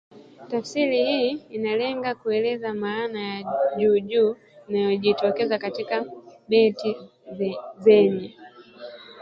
Tafsiri hii inalenga kueleza maana ya juujuu inayojitokeza katika beti zenye